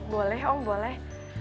boleh om boleh